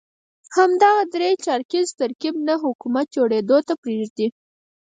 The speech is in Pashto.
همدغه درې چارکیز ترکیب نه حکومت جوړېدو ته پرېږدي.